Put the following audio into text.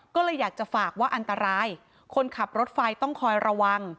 ก็เลยอยากจะฝากว่าอันตรายคนขับรถไฟต้องคอยระวัง